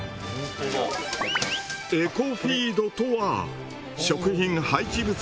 エコフィードとは。